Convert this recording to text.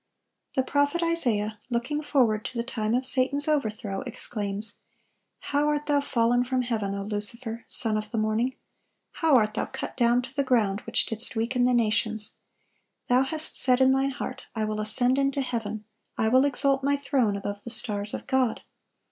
The prophet Isaiah, looking forward to the time of Satan's overthrow, exclaims: "How art thou fallen from heaven, O Lucifer, son of the morning! how art thou cut down to the ground, which didst weaken the nations!... Thou hast said in thine heart, I will ascend into heaven, I will exalt my throne above the stars of God."